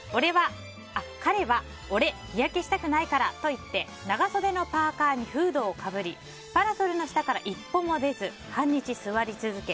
彼は、俺日焼けしたくないからといって長袖のパーカにフードをかぶりパラソルの下から一歩も出ず半日座り続け